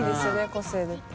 個性出て。